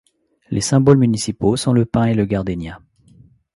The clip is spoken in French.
Les symboles municipaux sont le pin et le gardénia.